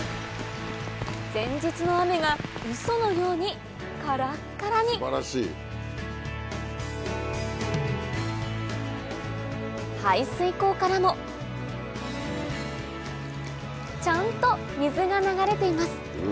前日の雨がウソのようにカラッカラに排水口からもちゃんと水が流れています